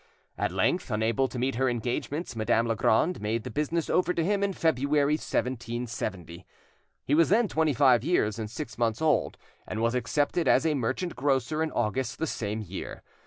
At length, unable to meet her engagements, Madame Legrand made the business over to him in February, 1770. He was then twenty five years and six months old, and was accepted as a merchant grocer in August the same year.